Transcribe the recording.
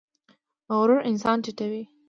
غرور انسان ټیټوي